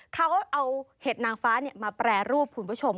เขาเอาเห็ดนางฟ้ามาแปรรูปคุณผู้ชม